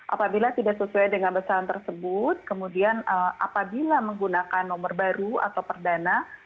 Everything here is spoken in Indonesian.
apabila tidak sesuai dengan besaran tersebut kemudian apabila menggunakan nomor baru atau perdana